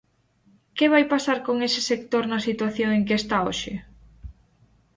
¿Que vai pasar con ese sector na situación en que está hoxe?